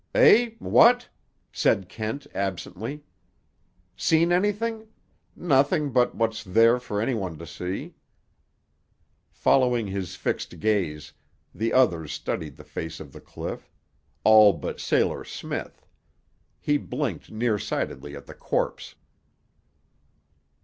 "Eh? What?" said Kent absently. "Seen anything? Nothing but what's there for any one to see." Following his fixed gaze, the others studied the face of the cliff; all but Sailor Smith. He blinked near sightedly at the corpse.